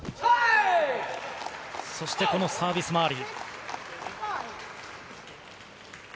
そしてこのサービス回り。